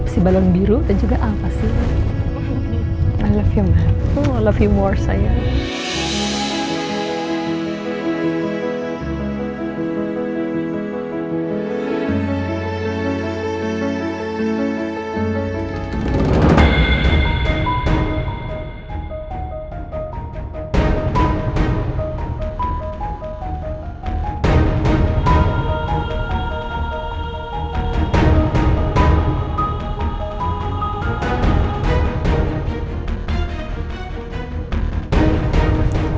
si balon biru dan juga alva sih